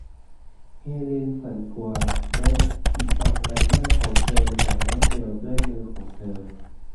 เฮเลนสั่นกลัวและปิดบังใบหน้าของเธออย่างรวดเร็วด้วยมือของเธอ